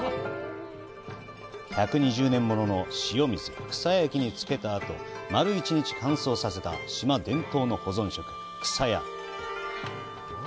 １２０年ものの塩水「くさや液」に漬けたあと、丸一日乾燥させた島伝統の保存食「くさや」。